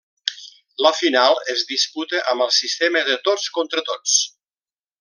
La final es disputa amb el sistema de tots contra tots.